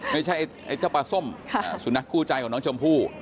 ไม่ใช่ไอ้เจ้าปลาส้มสุนัขคู่ใจของน้องชมพู่